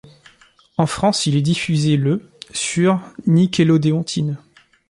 En France, il est diffusée le sur Nickelodeon Teen.